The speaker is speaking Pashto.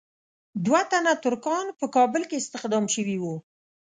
دوه تنه ترکان په کابل کې استخدام شوي وو.